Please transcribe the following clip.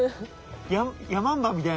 ヤマンバみたいな。